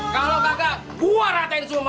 kalo kakak gua ratain semua